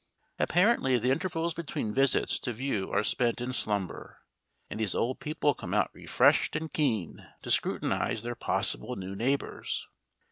Apparently the intervals between visits to view are spent in slumber, and these old people come out refreshed and keen to scrutinise their possible new neighbours.